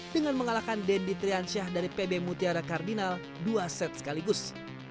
dengan mengalahkan dendi triansyah dari pb mutiara kardinal dua set sekaligus